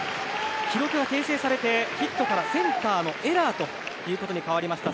記録は訂正されてヒットから、センターのエラーということに変わりました。